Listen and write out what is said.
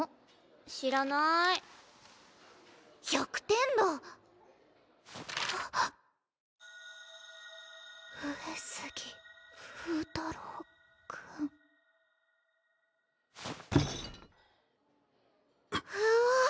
知らない１００点だ上杉風太郎君うわっ